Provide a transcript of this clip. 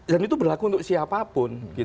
dan itu berlaku untuk siapapun